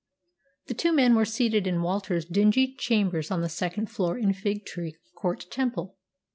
The two men were seated in Walter's dingy chambers on the second floor in Fig Tree Court, Temple.